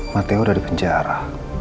matteo udah di penjara